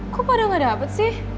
kok pada gak dapat sih